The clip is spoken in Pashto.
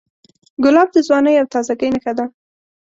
ګلاب د ځوانۍ او تازهګۍ نښه ده.